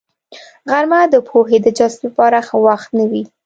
غرمه د پوهې د جذب لپاره ښه وخت نه وي